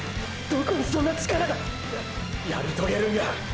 どこにそんな力がやり遂げるんや！